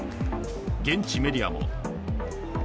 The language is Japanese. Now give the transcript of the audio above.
現地メディアも。